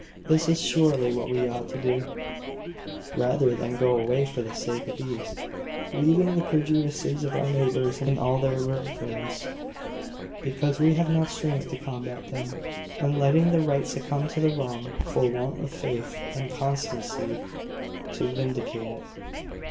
This is surely what we ought to do, rather than go away for the sake of ease, leaving the prejudices of our neighbours in all their virulence, because we have not strength to combat them, and letting the right succumb to the wrong, for want of faith and constancy to vindicate it."